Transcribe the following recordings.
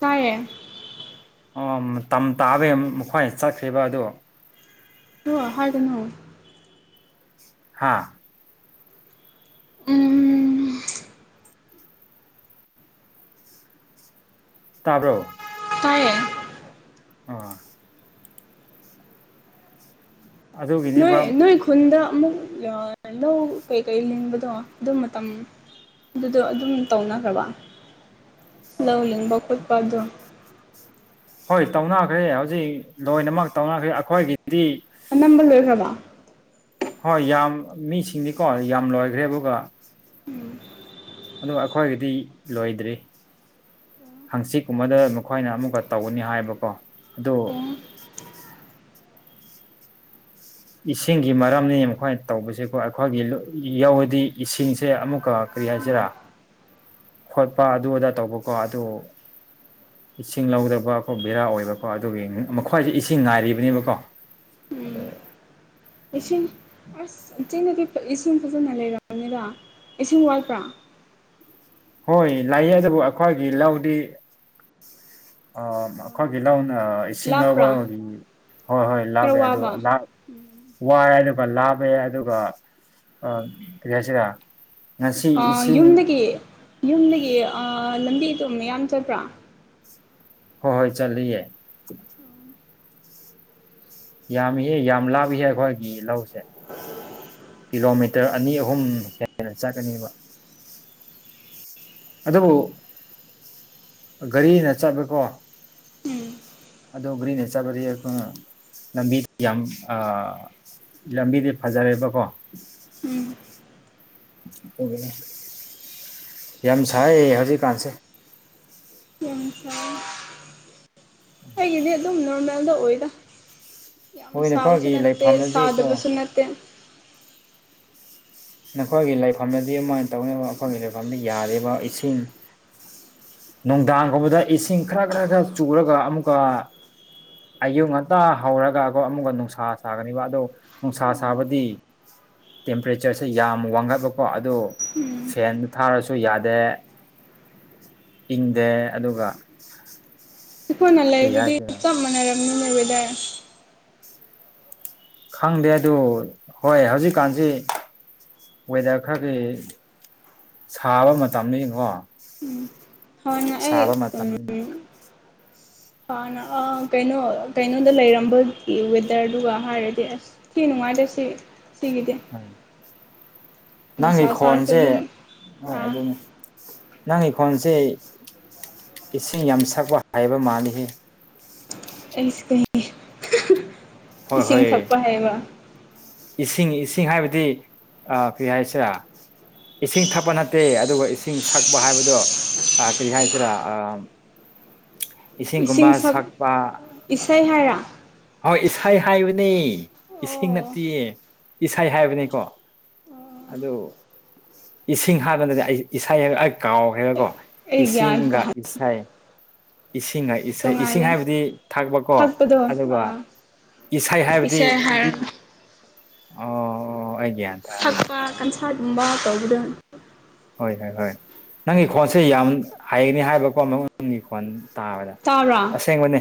ꯇꯥꯏꯌꯦ ꯑꯣ ꯇ ꯇꯥꯕꯩ ꯃꯈꯣꯏ ꯆꯠꯈ꯭ꯔꯤꯕ ꯑꯗꯨꯗ ꯍ ꯍꯥꯏꯔꯗꯅꯣ ꯍꯥꯥ ꯎꯝ ꯇꯥꯔꯣ ꯇꯌꯦ ꯑꯥ ꯅꯣꯏ ꯑꯗꯨꯒꯤꯅꯦꯕ ꯅꯣꯏ ꯈꯨꯟꯗ ꯑꯃꯨꯛ ꯂꯧ ꯀꯩꯀꯩ ꯂꯤꯡꯕꯗꯣ ꯑꯗꯨꯝ ꯃꯇꯝ ꯑꯗꯨꯗꯣ ꯑꯗꯨꯝ ꯇꯧꯅꯈ꯭ꯔꯕ ꯂꯧꯂꯤꯕꯀꯠ ꯄꯥꯗ ꯍꯣꯏ ꯇꯧꯅꯈ꯭ꯔꯦ ꯍꯧꯖꯤꯛ ꯂꯣꯏꯅꯃꯛ ꯇꯧꯅꯈ꯭ꯔꯦ ꯑꯩꯈꯣꯏꯒꯤꯗꯤ ꯑꯅꯝꯕ ꯂꯣꯏꯈ꯭ꯔꯕ ꯍꯣꯏ ꯌꯥꯝ ꯃꯤꯁꯤꯡꯗꯤꯀꯣ ꯌꯥꯝ ꯂꯣꯏꯈ꯭ꯔꯦ ꯑꯗꯨꯒ ꯑꯗꯨ ꯑꯩꯈꯣꯏꯒꯤꯗꯤ ꯂꯣꯏꯗ꯭ꯔꯤ ꯍꯪꯆꯤꯠꯀꯨꯝꯕꯗ ꯃꯈꯣꯏꯅ ꯑꯃꯨꯛꯀ ꯇꯧꯒꯅꯤ ꯍꯥꯏꯕꯀꯣ ꯑꯗꯨ [inaudible] ꯑꯣ ꯏꯁꯤꯡꯒꯤ ꯃꯔꯝꯅꯤ ꯃꯈꯣꯏꯅ ꯇꯧꯕꯁꯦꯀꯣ ꯑꯩꯈꯣꯏꯒꯤ ꯌꯥꯎꯋꯗꯤ ꯏꯁꯤꯡꯁꯦ ꯑꯃꯨꯛꯀ ꯀꯔꯤ ꯍꯥꯏꯁꯤꯔꯥ ꯈꯣꯠꯄ ꯑꯗꯨ ꯑꯗꯥ ꯇꯧꯕꯀꯣ ꯑꯗꯨ ꯏꯁꯤꯡ ꯂꯧꯗꯕ ꯑꯩꯣ ꯕꯦꯔꯥ ꯑꯣꯏꯕꯀꯣ ꯑꯗꯨꯒꯤ ꯃꯈ꯭ꯋꯥꯁꯦ ꯏꯁꯤꯡ ꯉꯥꯏꯔꯤꯕꯅꯦꯕꯀꯣ ꯑꯗ ꯑꯦꯁꯤ ꯑꯁ ꯆꯤꯡꯗꯗꯤ ꯏꯁꯤꯡ ꯐꯖꯅ ꯂꯩꯔꯕꯅꯤꯔ ꯏꯁꯤꯡ ꯋꯥꯠꯄ꯭ꯔꯥ ꯍꯣꯏ ꯂꯥꯛꯌꯦ ꯑꯗꯨꯕꯨ ꯑꯩꯈꯣꯏꯒꯤ ꯂꯧꯗꯤ ꯑ ꯃ ꯍꯒꯂ ꯏꯁꯤꯡ ꯂꯧꯕ ꯂꯥꯞꯄ꯭ꯔꯥ ꯍꯣꯏ ꯍꯣꯏ ꯈꯔ ꯂꯥꯞꯑꯦ ꯑꯗꯣ ꯋꯥꯕ ꯋꯥꯏꯔ ꯂꯥꯕ ꯌꯥꯏ ꯑꯗꯨꯒ ꯀ ꯍꯥꯏꯁꯤꯔ ꯌꯨꯝꯗꯒꯤ ꯌꯨꯝꯗꯒꯤ ꯂꯝꯕꯤ ꯑꯗꯨ ꯃꯌꯥꯝ ꯆꯠꯄ꯭ꯔꯥ ꯍꯣꯏ ꯍꯣꯏ ꯆꯠꯂꯤꯌꯦ ꯌꯥꯝꯍ ꯌꯥꯝ ꯂꯥꯞꯍꯦ ꯑꯩꯈꯣꯏꯒꯤ ꯂꯧꯁꯦ [inaudible] ꯀꯤꯂꯣꯃꯤꯇꯔ ꯑꯅꯤ ꯑꯍꯨꯝ ꯍꯦꯟꯅ ꯆꯠꯀꯅꯦꯕ ꯑꯗꯨꯕꯨ ꯒꯥꯔꯤꯅ ꯆꯠꯃꯦꯦꯀꯣ ꯎꯝ ꯑꯣ ꯒ꯭ꯔꯤꯟꯦ ꯆꯕꯗꯤ ꯂꯝꯕꯤ ꯌꯥꯝ ꯑ ꯂꯝꯕꯤꯗꯤ ꯐꯖꯔꯦꯕꯀꯣ ꯎꯝ ꯌꯥꯝ ꯁꯥꯏ ꯍꯧꯖꯤꯛꯀꯥꯟꯁꯦ ꯑꯁ ꯑꯩ ꯌꯦ ꯑꯗꯨꯝ ꯅꯣꯔꯃꯦꯜꯗ ꯑꯣꯏꯗ ꯌꯥꯝ ꯍꯣꯏ ꯅꯈꯣꯏꯒꯤ ꯁꯥꯕꯁꯨꯅꯠꯇꯦ ꯂꯩꯐꯝꯗꯗꯤꯀꯣ ꯁꯥꯗꯕꯁꯨꯅꯠꯇꯦ ꯅꯈꯣꯏꯒꯤ ꯂꯩꯐꯝꯗꯗꯤ ꯑꯗꯨꯃꯥꯏꯅ ꯇꯧꯅꯕ ꯑꯩꯈꯣꯏꯒꯤ ꯂꯩꯐꯝꯗ ꯌꯥꯔꯤꯕ ꯏꯁꯤꯡ ꯅꯨꯡꯗꯥꯡꯒꯨꯝꯕꯗ ꯏꯁꯤꯡ ꯈꯔ ꯈꯔ ꯈꯔ ꯆꯨꯔꯒ ꯑꯃꯨꯛꯀ ꯑꯌꯨꯛ ꯉꯇꯥ ꯍꯧꯔꯒꯒꯣ ꯑꯃꯨꯛꯀ ꯅꯨꯡꯁꯥ ꯁꯥꯒꯅꯤꯕ ꯑꯗꯣ ꯅꯨꯡꯁꯥ ꯁꯥꯕꯗꯤ ꯇꯦꯝꯄꯔꯦꯆꯔꯁꯦ ꯌꯥꯝ ꯋꯥꯡꯈꯠꯕꯀꯣ ꯑꯗꯣ ꯐꯦꯟꯗ ꯊꯥꯔꯁꯨ ꯌꯥꯗꯦ ꯏꯪꯗꯦ ꯑꯗꯨꯒ ꯏꯈꯣꯏꯅ ꯀꯔꯤ ꯂꯩꯕꯨꯗꯤ ꯍꯥꯏꯗꯣꯏꯔ ꯆꯞ ꯃꯥꯟꯅꯔꯝꯅꯤꯅꯦꯕꯗ ꯈꯪꯗꯦ ꯑꯗꯨ ꯍꯣꯏ ꯍꯧꯖꯤꯛꯀꯥꯟꯁꯤ ꯋꯦꯗꯔ ꯈꯔꯒꯤ ꯁꯥꯕ ꯃꯇꯝꯅꯤ ꯌꯦꯡꯉꯣ ꯎꯝ ꯍꯥꯟꯅ ꯑꯩ ꯁꯥꯕ ꯃꯇꯝꯅꯤ ꯅ ꯀꯩꯅꯣ ꯀꯩꯅꯣꯗ ꯂꯩꯔꯝꯕꯒꯤ ꯋꯦꯗꯔꯗꯨꯒ ꯍꯥꯏꯔꯗꯤ ꯑꯁ ꯊꯤ ꯅꯨꯡꯉꯥꯏ ꯁꯤ ꯁꯤꯒꯗ ꯍꯣꯏ ꯅꯪꯒꯤ ꯈꯣꯟꯁꯦ ꯑꯗꯨꯝ ꯍꯣꯏ ꯑꯗꯨꯅꯤ ꯅꯪꯒꯤ ꯈꯣꯟꯁꯦ ꯏꯁꯤꯡ ꯌꯥꯝ ꯁꯛꯄ ꯍꯥꯏꯕ ꯃꯥꯜꯂꯤꯍ ꯑꯩꯩ ꯍꯣꯏ ꯏꯁꯤꯡ ꯍꯣꯏ ꯊꯛꯄ ꯍꯥꯏꯕ ꯏꯁꯤꯡ ꯏꯁꯤꯡ ꯍꯥꯏꯕꯗꯤ ꯀꯔꯤ ꯍꯥꯏꯁꯤꯔꯥ ꯏꯁꯤꯡ ꯊꯛꯄ ꯅꯠꯇꯦ ꯑꯗꯨꯒ ꯏꯁꯤꯡ ꯁꯛꯄ ꯍꯥꯏꯕꯗꯣ ꯑ ꯀ꯭ꯔꯤ ꯍꯥꯏꯁꯤꯔꯥ ꯑ ꯏꯁꯤꯡꯒꯨꯝꯕ ꯏꯁꯤꯡ ꯁꯛ ꯁꯛꯄ ꯏꯁꯩ ꯍꯥꯏꯔ ꯍꯣꯏ ꯏꯁꯩ ꯍꯥꯏꯕꯅꯤ ꯑꯣ ꯏꯁꯤꯡ ꯅꯠꯇꯦꯌꯦ ꯏꯁꯩ ꯍꯥꯏꯕꯅꯤꯀꯣ ꯑꯗꯨ ꯏꯁꯤꯡ ꯍꯥꯄꯗꯗꯤ ꯑꯩ ꯏꯁꯩ ꯍꯥꯏꯕ ꯑꯩ ꯀꯥꯎ ꯍꯥꯏꯦꯕꯀꯣ ꯑꯩ ꯒ꯭ꯌꯥꯟ ꯇꯥ ꯏꯁꯤꯡꯒ ꯏꯁꯩꯥꯏ ꯏꯁꯤꯡ ꯏꯁꯤꯡ ꯏꯁꯤꯡ ꯇꯣꯡꯉꯥꯜꯂꯦ ꯍꯥꯏꯕꯗꯤ ꯊꯥꯛꯄꯀꯣ ꯊꯛꯄꯗꯣ ꯑꯗꯨꯒ ꯑꯥ ꯏꯁꯩ ꯍꯥꯏꯕꯗꯤ ꯏꯁꯩ ꯍꯥꯏꯔꯒ ꯑꯣ ꯑꯣ ꯑꯩꯒꯤꯦ ꯇꯔꯦ ꯗꯨꯝꯕ ꯀꯥꯎꯗ ꯍꯣꯏ ꯍꯣꯏ ꯍꯣꯏ ꯅꯪꯒꯤ ꯈꯣꯟꯁꯦ ꯌꯥꯝ ꯍꯥꯏꯩꯒꯅꯤ ꯍꯥꯏꯕꯀꯣ ꯑꯃꯪꯒꯤ ꯈꯣꯟ ꯇꯥꯕꯗ ꯇꯥꯕ꯭ꯔꯥ ꯑꯁꯦꯡꯕꯅꯦ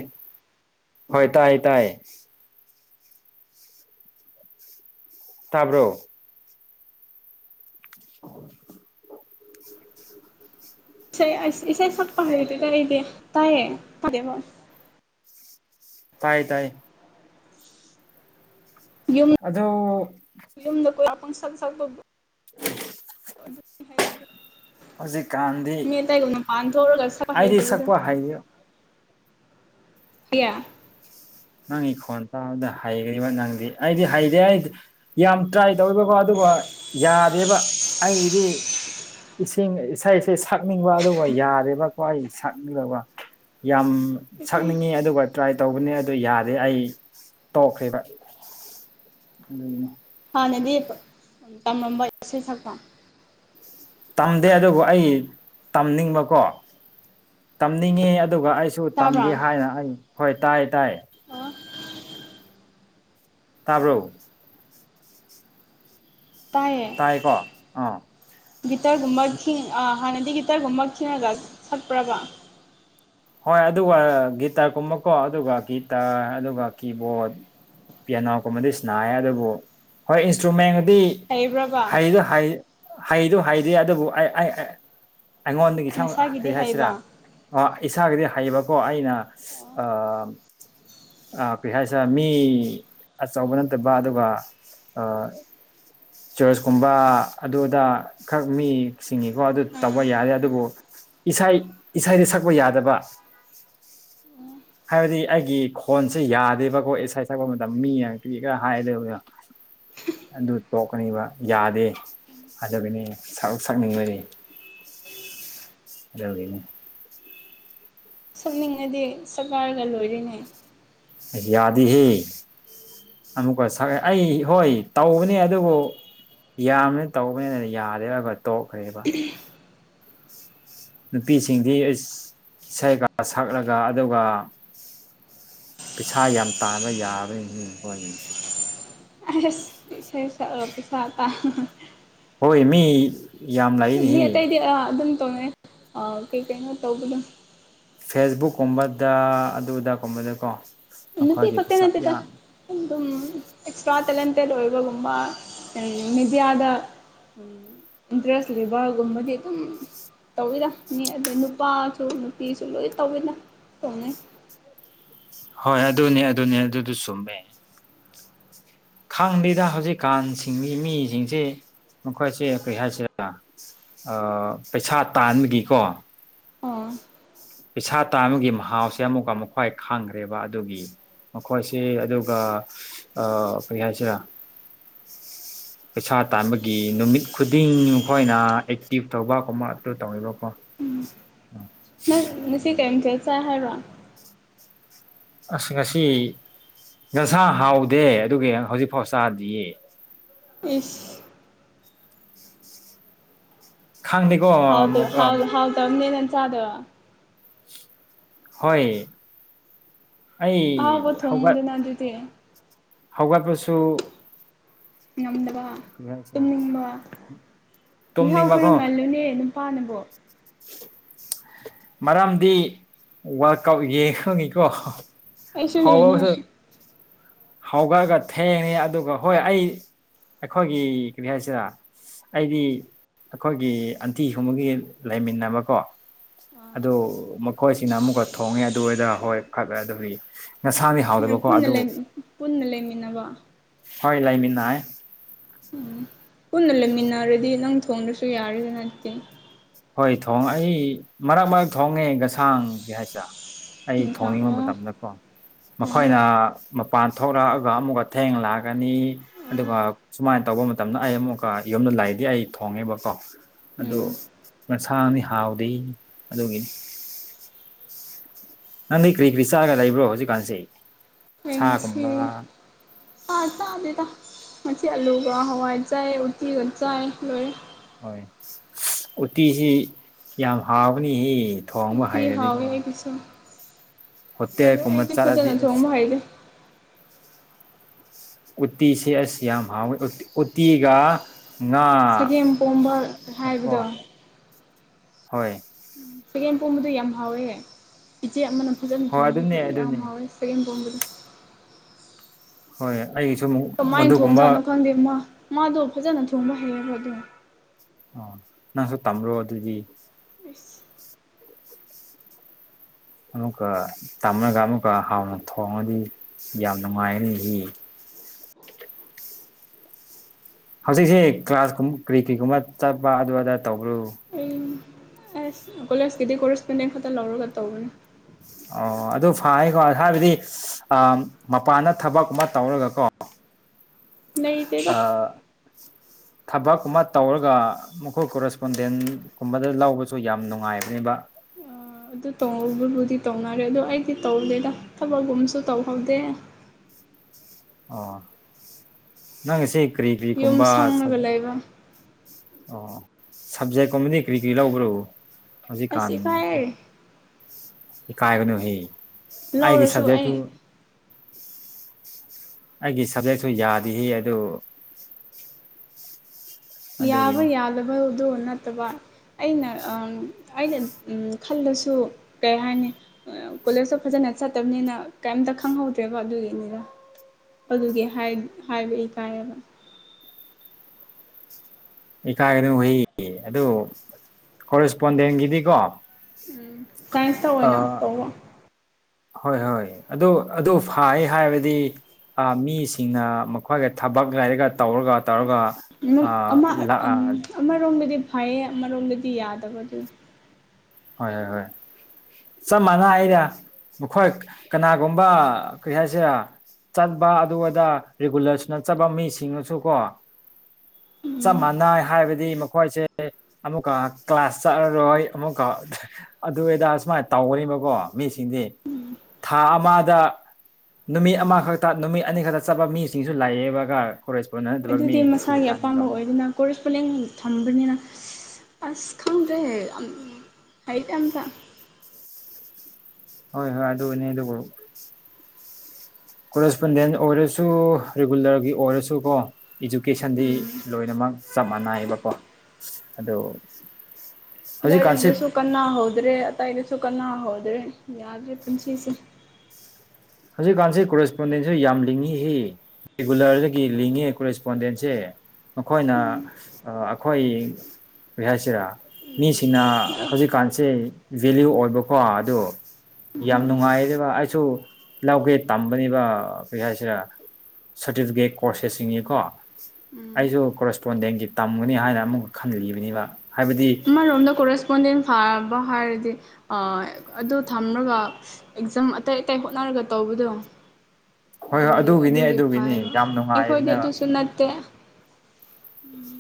ꯍꯣꯏ ꯇꯥꯏ ꯇꯥꯏ ꯇꯥꯕ꯭ꯔꯣ ꯑꯣ ꯏꯁꯩ ꯁꯛꯄꯍ ꯇꯗꯔ ꯏꯗꯤꯦ ꯇꯥꯏꯌꯦꯗꯦꯕ ꯇꯥꯏ ꯇꯥꯏ ꯑꯗꯣ ꯀ ꯁꯟ ꯁ ꯍꯧꯖꯤꯛꯀꯥꯟꯗꯤ ꯃ ꯇꯥꯏ ꯄꯥꯟ ꯊꯧꯔꯒꯁꯄ ꯑꯩꯗꯤ ꯍꯥꯏꯗꯗ ꯁꯛꯄ ꯍꯩ ꯀꯌꯥ ꯅꯪꯒꯤ ꯈꯣꯟ ꯇꯥꯕꯗ ꯍꯩꯈ꯭ꯔꯤꯕ ꯅꯪꯗꯤ ꯑꯩꯗꯤ ꯍꯩꯔꯦ ꯑꯩꯗꯤ ꯌꯥꯝ ꯇ꯭ꯔꯥꯏ ꯇꯧꯔꯤꯕꯀꯣ ꯑꯗꯨꯒ ꯌꯥꯗꯦꯕ ꯑꯩꯗꯤ ꯏꯁꯤꯡ ꯏꯁꯩ ꯏꯁꯩ ꯁꯛꯅꯤꯡꯕ ꯑꯗꯨꯒ ꯌꯥꯔꯦꯔꯤꯕꯀꯣ ꯑꯩ ꯁꯛꯅꯤꯡꯗꯕ ꯌꯥꯝ ꯏꯁꯩ ꯁꯛꯅꯤꯡꯉꯤ ꯑꯗꯨꯒ ꯇ꯭ꯔꯥꯏ ꯇꯧꯕꯅꯦ ꯑꯗꯨ ꯌꯥꯗꯦ ꯑꯩ ꯇꯣꯛꯈ꯭ꯔꯤꯕ ꯑꯗꯨ ꯅꯦꯗꯤ ꯇꯔꯝꯕꯁꯦ ꯁꯄ ꯇꯝꯗꯦ ꯑꯗꯨꯕꯨ ꯑꯩ ꯇꯝꯅꯤꯡꯕꯀꯣ ꯇꯝꯅꯤꯡꯉꯦ ꯑꯗꯨꯒ ꯑꯩꯁꯨ ꯇꯥꯕ꯭ꯔꯥ ꯇꯝꯒ ꯍꯥꯏꯅ ꯑꯩ ꯍꯣꯏ ꯇꯥꯏ ꯇꯥꯏ ꯑꯣ ꯑꯣ ꯇꯥꯕ꯭ꯔꯣ ꯇꯥꯏꯌꯦ ꯇꯥꯏꯀꯣ ꯑꯥ ꯇꯔꯒ ꯃꯔꯊ ꯍꯅꯗꯤ ꯏꯗꯤꯒꯤꯇꯔꯒꯨꯝꯕ ꯈꯤꯠꯅꯒ ꯁꯠꯄ꯭ꯔꯕ ꯍꯣꯏ ꯑꯗꯨꯒ ꯒꯤꯇꯔꯒꯨꯝꯕꯀꯣ ꯑꯗꯨꯒ ꯒꯤꯇꯔ ꯑꯗꯨꯒ ꯀꯤꯕꯣꯔꯠ ꯄꯤꯌꯥꯅꯣꯒꯨꯝꯕꯗꯤ ꯁꯅꯥꯏꯌꯦ ꯑꯗꯨꯕꯨ ꯍꯣꯏ ꯏꯟꯁꯇ꯭ꯔꯨꯃꯦꯟ ꯍꯩꯕ꯭ꯔꯕ ꯍꯩꯗꯨꯣ ꯍꯩꯗꯦ ꯑꯗꯨꯕꯨ ꯑꯩꯉꯣꯟꯗꯒꯤ ꯏꯁꯥꯃꯛ ꯅꯁꯥꯒꯤꯗꯤ ꯍꯛꯇ꯭ꯔꯤ ꯍꯥꯏꯁꯤꯔꯥ ꯍꯩꯕ ꯏꯁꯥꯒꯤꯗꯤ ꯍꯩꯌꯦꯕꯀꯣ ꯑꯩꯅ ꯑꯣ ꯑ ꯑ ꯀꯩ ꯍꯥꯏꯁ ꯃꯤ ꯑꯆꯧꯕ ꯅꯠꯇꯕ ꯑꯗꯨꯒ ꯑꯥ ꯆꯔꯆꯀꯨꯝꯕ ꯑꯗꯨꯗꯥ ꯈꯛ ꯃꯤ ꯆꯁꯤꯡꯉꯤꯀꯣ ꯑꯗꯨ ꯇꯧꯕ ꯑꯥ ꯌꯥꯗꯦ ꯑꯗꯨꯕꯨ ꯏꯁꯩ ꯏꯁꯩꯗ ꯁꯛꯄ ꯌꯥꯗꯕ ꯍꯥꯏꯕꯗꯤ ꯑꯩꯒꯤ ꯈꯣꯟꯁꯦ ꯌꯥꯗꯦꯕꯀꯣ ꯏꯁꯥꯏ ꯁꯛꯄ ꯃꯇꯝ ꯃꯤ ꯉꯛꯇꯤ ꯈꯔ ꯍꯥꯏꯗ ꯑꯗꯨ ꯇꯣꯛꯀꯅꯤꯕ ꯌꯥꯗꯦ ꯑꯗꯨꯕꯅꯤ ꯁꯛꯅꯤꯡꯕꯅꯤ ꯂꯒꯩꯅ ꯁꯛꯅꯤꯡꯉꯗꯤ ꯁꯔꯀꯥꯔꯒ ꯂꯣꯏꯔꯤꯅꯦ ꯌꯥꯗꯤ ꯍ ꯑꯃꯨꯛꯀ ꯁ ꯑꯩ ꯍꯣꯏ ꯇꯧꯕꯅꯦ ꯑꯗꯨꯕꯨ ꯌꯥꯝꯕꯅꯤ ꯇꯧꯕꯅꯤꯅ ꯌꯥꯔꯦꯔ ꯇꯣꯛꯈ꯭ꯔꯦꯕ ꯅꯨꯄꯤꯁꯤꯡꯗꯤ ꯏꯁꯩ ꯀꯥ ꯁꯛꯂꯒ ꯑꯗꯨꯒ ꯄꯩꯁꯥ ꯌꯥꯝ ꯇꯥꯟꯕ ꯌꯥꯕꯅꯤ ꯃꯣꯏꯁꯦ ꯑ ꯄꯁꯥ ꯇ ꯍꯣꯏ ꯃꯤ ꯌꯥꯝ ꯃꯤ ꯂꯩꯅꯤꯍꯦ ꯑꯇꯩꯗꯤ ꯑꯗꯨꯝ ꯇꯧꯅꯩ ꯑ ꯀꯩ ꯀꯩꯅꯣ ꯇꯧꯕ ꯑꯗꯨꯝ ꯐꯦꯁꯕꯨꯛꯀꯨꯝꯕꯗ ꯑꯗꯨ ꯑꯗꯥꯀꯨꯝꯕꯗꯀꯣ ꯠꯇꯠꯇꯦ ꯅꯠꯇꯦꯗ ꯑꯦꯁꯇ꯭ꯔꯥ ꯑꯣꯏꯕꯒꯨꯝꯕ ꯃꯦꯗꯤꯌꯥꯗ ꯎꯝ ꯏꯟꯇ꯭ꯔꯁ ꯂꯩꯕꯒꯕ ꯑꯗꯨꯝ ꯇꯧꯋꯤꯗꯅꯤ ꯑꯗꯨꯗꯩ ꯅꯨꯄꯥꯁꯨ ꯅꯨꯄꯤꯁꯨ ꯂꯣꯏ ꯇꯧꯋꯤꯗ ꯇꯧꯅꯩ ꯍꯣꯏ ꯑꯗꯨꯅꯦ ꯑꯗꯨꯅꯦ ꯑꯗꯨꯗ ꯆꯨꯝꯃꯦ ꯈꯥꯡꯗꯩꯗ ꯍꯧꯖꯤꯛꯀꯥꯟꯁꯤꯡꯒꯤ ꯃꯤꯁꯤꯡꯁꯤ ꯃꯈꯣꯏꯁꯦ ꯀꯔꯤ ꯍꯥꯏꯁꯤ ꯑ ꯄꯩꯁꯥ ꯇꯥꯟꯕꯒꯤꯀꯣ ꯑꯥ ꯄꯩꯁꯥ ꯇꯥ ꯑꯃꯒꯤꯒꯤ ꯃꯍꯥꯎꯁꯦ ꯑꯃꯨꯛꯀ ꯑꯃꯨꯛ ꯈ꯭ꯋꯥꯏ ꯈꯥꯡꯈ꯭ꯔꯦꯕ ꯑꯗꯨꯒꯤ ꯃꯈꯣꯏꯁꯤ ꯑꯗꯨꯒ ꯀꯔꯤ ꯍꯥꯏꯁꯤꯔꯥ ꯄꯩꯁꯥ ꯇꯥꯟꯕꯒꯤ ꯅꯨꯃꯤꯠ ꯈꯨꯗꯤꯡ ꯃꯈꯣꯏꯅ ꯑꯦꯛꯇꯤꯚ ꯇꯧꯕ ꯀꯨꯝꯕ ꯑꯗꯨ ꯇꯧꯕꯀꯣ ꯑꯝ ꯃꯁꯤꯁꯤ ꯀꯝ ꯆ ꯆ ꯍꯥꯏꯔ ꯋꯥ ꯑꯁꯤꯁ ꯉꯁꯤ ꯉꯁꯥ ꯍꯥꯎꯗꯦ ꯑꯗꯨꯒꯤ ꯍꯧꯖꯤꯛꯐꯥꯎ ꯆꯥꯗꯤꯌꯦ ꯄꯤꯁ ꯈꯪꯗꯦꯀꯣ ꯍꯥꯎꯗ ꯍꯥꯎ ꯍꯥꯎ ꯇꯗꯦꯅꯟꯁꯗꯕ ꯍꯣꯏ ꯑꯩ ꯑꯍꯥꯎꯕ ꯍꯧꯒꯠ ꯊꯣꯡꯉꯨꯗꯅ ꯑꯗꯨꯗꯤ ꯍꯧꯒꯠꯄꯁꯨ ꯉꯝꯗꯕ ꯀꯔꯤ ꯍꯥꯏꯁꯤꯔ ꯇꯨꯝꯅꯤꯡꯕ ꯏꯍꯥꯎ ꯈꯔ ꯇꯨꯝꯅꯤꯡꯕꯀꯣ ꯉꯜꯂꯨꯅꯦ ꯅꯨꯄꯥꯅꯕꯣ ꯃꯔꯝꯗꯤ ꯋꯥꯔꯀ ꯑꯥꯎꯠ ꯌꯦꯡ ꯈꯪꯉꯤꯀꯣ ꯑꯁꯨ ꯂꯩꯅꯦ ꯍꯧꯒꯠꯑꯒ ꯊꯦꯡꯉꯦ ꯑꯗꯨꯒ ꯍꯣꯏ ꯑꯩ ꯑꯩꯈꯣꯏꯒꯤ ꯀꯔꯤ ꯍꯥꯏꯁꯤꯔ ꯑꯩꯗꯤ ꯑꯩꯈꯣꯏꯒꯤ ꯑꯟꯇꯤ ꯁꯣꯡꯕꯒꯤ ꯂꯩꯃꯤꯟꯅꯕꯀꯣ ꯑꯗꯨ ꯃꯈꯣꯏꯁꯤꯅ ꯑꯃꯨꯛꯀ ꯊꯣꯡꯉꯦ ꯑꯗꯨꯏꯗ ꯍꯣꯏ ꯐ ꯑꯗꯨꯗꯤ ꯅꯁꯥꯗꯤ ꯍꯥꯎꯗꯕꯀꯣ ꯄꯨꯟꯅ ꯑꯗꯨ ꯂꯩ ꯄꯨꯟꯅ ꯂꯩꯃꯤꯟꯅꯕ ꯍꯣꯏ ꯂꯩꯃꯤꯅꯥ ꯎꯝ ꯄꯨꯟꯅ ꯂꯩꯃꯤꯟꯅꯔꯗꯤ ꯅꯪ ꯊꯣꯡꯗꯁꯨ ꯌꯥꯔꯗ ꯅꯠꯇꯦ ꯍꯣꯏ ꯊꯣꯡ ꯑꯩ ꯃꯔꯛ ꯃꯔꯛ ꯊꯣꯡꯉꯦ ꯉꯁꯥꯡꯒꯤ ꯍꯥꯏꯁꯔ ꯑꯩ ꯏꯟꯁꯥꯡ ꯊꯣꯡꯅꯤꯡꯕ ꯑꯣ ꯃꯇꯝꯗꯀꯣ ꯑꯣ ꯃꯈꯣꯏꯅ ꯃꯄꯥꯟ ꯊꯣꯛꯂꯛꯑꯒ ꯑꯃꯨꯛꯀ ꯊꯦꯡ ꯂꯥꯛꯑꯒꯅꯤ ꯑꯗꯨꯒ ꯁꯨꯃꯥꯏꯅ ꯇꯧꯕ ꯃꯇꯝꯗ ꯑꯩ ꯑꯃꯨꯛꯀ ꯌꯨꯝꯗ ꯂꯥꯛꯗꯤ ꯑꯩ ꯊꯣꯡꯉꯦꯕꯀꯣ ꯑꯗꯨ ꯎꯝ ꯃꯁꯥꯗꯤ ꯍꯥꯎꯗꯤꯅꯤ ꯑꯗꯨꯒꯤꯅꯤ ꯅꯪꯗꯤ ꯀ꯭ꯔꯤ ꯀ꯭ꯔꯤ ꯆꯥꯒ ꯂꯩꯕ꯭ꯔꯣ ꯍꯧꯖꯤꯛꯀꯥꯟꯁꯦ ꯑꯩ ꯉꯁꯤ ꯆꯥꯒꯨꯝꯝꯕ ꯑꯥ ꯆꯗꯦꯗ ꯃꯆ ꯑꯜꯂꯨꯒ ꯍꯋꯥ ꯆꯦ ꯎꯇꯤꯒ ꯆ ꯂꯣꯋꯦ ꯍꯣꯏ ꯎꯇꯤꯁꯤ ꯌꯥꯝ ꯍꯥꯎꯕꯅꯤꯍ ꯊꯣꯡꯕ ꯎꯇꯤ ꯍꯩꯔꯗꯤ ꯍꯥꯎꯋꯦ ꯀꯣ ꯑꯩꯒꯤꯁꯨ ꯍꯠꯇꯦꯦ ꯑꯗꯣ ꯀꯨꯝꯃꯠ ꯑꯩꯗꯤ ꯆꯠꯗꯤ ꯐꯖꯅ ꯊꯣꯡꯕ ꯍꯩꯇꯦ ꯎꯇꯤꯁꯤꯦ ꯑꯁ ꯌꯥꯝ ꯍꯥꯎ ꯎꯠꯇꯤꯒ ꯆꯒꯦꯝ ꯄꯣꯝꯕ ꯉꯀꯣ ꯍꯥꯏꯕꯗꯣ ꯍꯣꯏ ꯆꯒꯦꯝ ꯄꯣꯝꯕꯗ ꯌꯥꯝ ꯍꯥꯎꯋꯦ ꯏꯆꯦ ꯑꯃꯅ ꯐꯖꯟ ꯍꯣꯏ ꯊꯣꯡꯕꯤ ꯑꯗꯨꯅꯦ ꯐꯗꯨ ꯌꯥꯝ ꯑꯗꯨꯅꯦ ꯍꯥꯎꯋꯦ ꯆꯒꯦꯡ ꯊꯣꯡꯕꯗ ꯍꯣꯏ ꯑꯩꯒꯤꯁꯨ ꯑꯃꯨꯛ ꯀꯃꯥꯏꯅ ꯃꯗꯨꯒꯨꯝꯕ ꯊꯣꯡꯖꯥꯠꯅꯣ ꯈꯪꯗꯦ ꯃꯥ ꯃꯥꯗꯣ ꯐꯖꯅ ꯊꯣꯡꯕ ꯍꯩꯌꯦꯕꯗꯣ ꯑ ꯅꯪꯁꯨꯣ ꯇꯝꯕ꯭ꯔꯣ ꯑꯗꯨꯗꯤ ꯑꯁ ꯑꯃꯨꯛꯀ ꯇꯝꯂꯒ ꯑꯃꯨꯛꯀ ꯍꯥꯎꯅ ꯊꯣꯡꯉꯗꯤ ꯌꯥꯝ ꯅꯨꯡꯉꯥꯏꯒꯅꯤ ꯍꯤ [unintelligible] ꯍꯧꯖꯤꯛꯁꯤꯦ ꯀ꯭ꯂꯥꯁ ꯀ ꯀꯔꯤ ꯀꯔꯤꯒꯨꯝꯕ ꯆꯠꯄ ꯑꯗꯨ ꯑꯗꯥ ꯇꯧꯕ꯭ꯔꯨ ꯑꯩ ꯑꯁ ꯀꯣꯂꯦꯖꯀꯤꯗꯤ ꯀꯣꯔꯔꯤꯁꯄꯦꯟꯗꯦꯟ ꯈꯛꯇ ꯂꯧꯔꯒ ꯇꯧꯕꯅꯤ ꯎ ꯑꯣ ꯑꯗꯨ ꯐꯌꯦꯀꯣ ꯍꯥꯏꯕꯗꯤ ꯃꯄꯥꯟꯗ ꯊꯕꯛꯀꯨꯝꯕ ꯇꯧꯔꯒꯀꯣ ꯑ ꯂꯩꯇꯦꯗ ꯑ ꯊꯕꯛꯀꯨꯝꯕ ꯇꯧꯔꯒ ꯃꯈꯣꯏ ꯀꯣꯔꯦꯁꯄꯣꯟꯗꯦꯟꯒꯨꯝꯕꯗ ꯂꯧꯕꯁꯨ ꯌꯥꯝ ꯅꯨꯡꯉꯥꯏꯕꯅꯦꯕ [unintelligible] ꯑꯗꯨ ꯇꯕꯨꯗꯤ ꯇꯧꯅꯔꯦ ꯑꯗꯣ ꯑꯩꯗꯤ ꯇꯧꯗꯦꯗ ꯊꯕꯛꯒꯨꯝꯕꯁꯨ ꯇꯧꯍꯧꯗꯦ ꯑꯣ ꯅꯪ ꯁꯤꯦ ꯀ꯭ꯔꯤ ꯀ꯭ꯔꯤ ꯌꯨꯝ ꯀꯨꯝꯕ ꯁ ꯁꯪꯉꯒ ꯂꯩꯕ ꯑꯣ ꯁꯞꯖꯦꯛꯀꯨꯝꯕꯗꯤ ꯀꯔꯤ ꯀꯔꯤ ꯂꯧꯕ꯭ꯔꯣ ꯍꯧꯖꯤ ꯑꯁ ꯀꯥꯅ ꯏꯀꯥꯏꯌꯦ ꯀꯥꯏꯒꯅ ꯍ ꯑꯩꯒꯤ ꯂꯧꯔꯁꯨ ꯑꯩ ꯁꯕꯖꯦꯛꯛꯇꯨ ꯑꯩꯒꯤ ꯁꯕꯖꯦꯛꯁꯨ ꯌꯥꯗꯤ ꯑꯗꯨ ꯌꯥꯕ ꯑꯗꯨꯒꯤꯅꯤ ꯌꯥꯂꯕ ꯑꯗꯨ ꯅꯠꯇꯕ ꯑꯩꯅ ꯑꯩꯅ ꯈꯜꯂꯁꯨ ꯀꯩ ꯍꯥꯏꯅꯤ ꯀꯣꯂꯦꯖꯇꯣ ꯐꯖꯅ ꯆꯠꯇꯕꯅꯤꯅ ꯀꯩꯝꯇ ꯈꯪꯍꯧꯗ꯭ꯔꯦꯕ ꯑꯗꯨꯒꯤꯅꯤꯗ ꯑꯗꯨꯒꯤ ꯍꯥꯏꯕ ꯏꯀꯥꯏꯌꯦꯕ ꯏꯀꯥꯏꯒꯗ ꯍꯨꯏꯌꯦ ꯑꯗꯨ ꯀꯣꯔꯦꯁꯄꯣꯟꯗꯦꯟꯒꯤꯗꯤꯀꯣ ꯎ ꯁꯥꯏꯟꯁꯇ ꯑꯣꯏꯅ ꯇꯧꯕ ꯍꯣꯏ ꯍꯣꯏ ꯑꯗꯨ ꯑꯗꯨ ꯐ ꯍꯥꯏꯕꯗꯤ ꯃꯤꯁꯤꯡꯅ ꯃꯈꯣꯏꯒ ꯊꯕꯛ ꯂꯩꯔꯒ ꯇꯧꯔꯒ ꯇꯧꯔꯒ ꯑꯁ ꯑ ꯑꯃ ꯂꯥꯛꯑ ꯑꯃꯔꯣꯝꯒꯤꯗꯤ ꯐꯩꯌꯦ ꯑꯃꯔꯣꯝꯗꯗꯤ ꯌꯥꯗꯕꯗꯨ ꯍꯣꯏ ꯍꯣꯏ ꯍꯣꯏ ꯆꯞ ꯃꯥꯟꯅ ꯑꯩꯔ ꯃꯈꯣꯏ ꯀꯅꯥꯒꯨꯝꯕ ꯀꯔꯤ ꯍꯥꯏꯁꯦ ꯆꯠꯄ ꯑꯗꯨ ꯑꯗ ꯔꯤꯒꯨꯂꯔꯁꯅ ꯆꯠꯄ ꯃꯤꯁꯤꯡꯅꯁꯨ ꯀꯣ ꯆꯞ ꯃꯥꯟꯅꯩ ꯍꯥꯏꯕꯗꯤ ꯃꯈꯣꯏꯁꯦ ꯑꯃꯨꯛ ꯀ ꯀ꯭ꯂꯥꯁ ꯆ ꯔꯣꯏ ꯑꯃꯨꯛ ꯀ ꯑꯗꯨꯏꯗꯥ ꯁꯨꯃꯥꯏꯅ ꯇꯧꯒꯅꯤꯕꯀꯣ ꯃꯤꯁꯤꯡꯗꯤ ꯊꯥ ꯑꯃꯗ ꯅꯨꯃꯤꯠ ꯑꯃꯈꯛꯇ ꯅꯨꯃꯤꯠ ꯑꯅꯤ ꯈꯛꯇ ꯆꯠꯄ ꯃꯤꯁꯤꯡꯁꯨ ꯂꯥꯏꯌꯦꯦꯕꯒ ꯍꯣꯔ ꯑꯗꯨꯗꯤ ꯃꯁꯥꯒꯤ ꯑꯄꯥꯝꯕ ꯑꯣꯏꯗꯨꯅ ꯀꯣꯔꯔꯤꯦꯁꯄꯣꯟꯗꯡ ꯊꯝꯕꯅꯤꯅ ꯑꯁ ꯈꯪꯗ꯭ꯔꯦꯍꯦ ꯍꯥꯏꯠ ꯑꯝꯇ ꯍꯣꯏ ꯍꯣꯏ ꯑꯗꯨ ꯑꯣꯏꯅꯅꯦꯗ ꯀꯣ ꯀꯣꯔꯦꯁꯄꯣꯟꯗꯦꯟ ꯑꯣꯏꯔꯁꯨ ꯔꯤꯒꯨꯂꯔꯒꯤ ꯑꯣꯏꯔꯁꯨ ꯀꯣ ꯏꯗꯨꯀꯦꯁꯟꯗꯤ ꯂꯣꯏꯅꯃꯛ ꯆꯞ ꯃꯥꯟꯅꯏꯕꯀꯣ ꯑꯗꯨ ꯂꯔꯗꯁꯨ ꯀꯟꯅ ꯍꯧꯗ꯭ꯔꯦ ꯑ ꯇꯥꯏꯗꯁ ꯁꯨ ꯀꯅꯥ ꯍꯣꯗ꯭ꯔꯦ ꯌꯥꯗ꯭ꯔꯦ ꯊꯟꯁꯤꯁꯤꯦ ꯍꯧꯖꯤꯛꯀꯥꯟꯁꯤ ꯀꯣꯔꯦꯁꯄꯣꯟꯗꯦꯟꯁꯨ ꯌꯥꯝ ꯂꯤꯡꯉꯤꯁꯤ ꯔꯤꯒꯨꯂꯔꯗꯒꯤ ꯂꯤꯡꯉꯦ ꯀ ꯔꯦꯁꯄꯣꯟꯗꯦꯟꯁꯦ ꯃꯈꯣꯏꯅ ꯑꯩꯈꯣꯏ ꯍꯥꯏꯁꯤꯔꯥ ꯃꯤꯁꯤꯡꯅ ꯍꯧꯖꯤꯛꯀꯥꯟꯁꯤꯦ ꯚꯦꯂꯨ ꯑꯣꯏꯕꯀꯣ ꯑꯣ ꯌꯥꯝ ꯅꯨꯡꯉꯥꯏꯕ ꯑꯩꯁꯨ ꯂꯧꯒꯦ ꯇꯝꯕꯅꯦꯕ ꯀꯩ ꯍꯥꯏꯁꯤꯔꯦ ꯁꯥꯔꯇꯤꯐꯤꯀꯦꯠ ꯀꯣꯔꯁꯦꯁꯁꯤꯡꯉꯀꯣ ꯑꯩꯁꯨ ꯀꯣꯔꯦꯁꯄꯣꯟꯗꯦꯟꯁꯤ ꯇꯝꯒꯅꯤ ꯍꯥꯏꯅ ꯑꯃꯨꯛ ꯈꯜꯂꯤꯕꯅꯤꯕ ꯃ ꯔꯣꯝ ꯀꯣꯔꯔꯦꯁꯄꯣꯟꯦꯟ ꯐ ꯕ ꯍꯥꯏꯔꯗꯤ ꯑꯗꯨ ꯊꯝꯃꯒ ꯑꯦꯛꯖꯥꯝ ꯑꯇꯩ ꯑꯇꯩ ꯍꯣꯠꯅꯔꯒ ꯇꯧꯕꯗꯣ ꯎ ꯑꯗꯨꯗꯤ ꯑꯗꯨꯒꯤ ꯐꯥꯏꯕ ꯑꯩꯈꯣꯏꯗꯤ ꯅꯨꯡꯉꯥꯏꯕꯅꯦꯕ ꯑꯗꯨꯁꯨ ꯅꯠꯇꯦ ꯎꯝ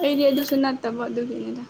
ꯑꯩꯗꯤ ꯑꯗꯨꯁꯨ ꯅꯠꯇꯕꯣ ꯑꯗꯨꯒꯤꯅꯦꯗ